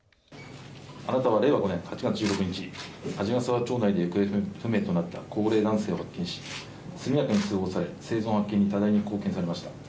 あなたは令和５年８月１５日鰺ヶ沢町内で行方不明となった高齢男性の速やかに通報され発見に多大に貢献されました。